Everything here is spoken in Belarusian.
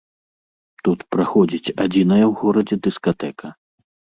Тут праходзіць адзіная ў горадзе дыскатэка.